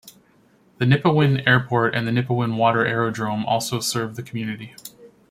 The Nipawin Airport and the Nipawin Water Aerodrome also serve the community.